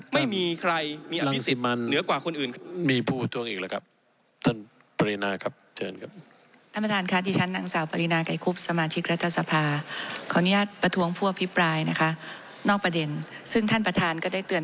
ไม่มีใครมีอันมีสิทธิ์เหนือกว่าคนอื่น